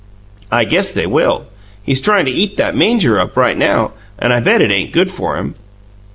"I guess they will. He's tryin' to eat that manger up right now, and I bet it ain't good for him."